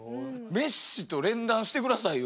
メッシと連弾して下さいよ。